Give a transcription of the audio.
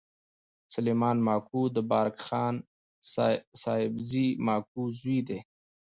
سلیمان ماکو د بارک خان سابزي ماکو زوی دﺉ.